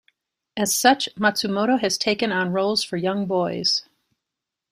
As such, Matsumoto has taken on roles for young boys.